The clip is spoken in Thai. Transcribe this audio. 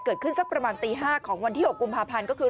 เกิดขึ้นสักประมาณตี๕ของวัน๖กุมภาพันธุ์ก็คือ